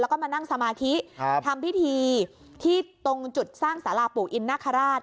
แล้วก็มานั่งสมาธิทำพิธีที่ตรงจุดสร้างสาราปู่อินนาคาราช